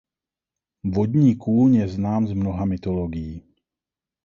Vodní kůň je znám z mnoha mytologií.